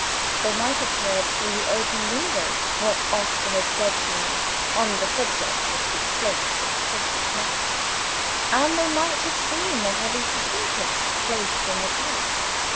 They might have heard, through the open window, what Oscar had said to me on the subject of his plates of precious metal; and they might have seen the heavy packing case placed in the cart.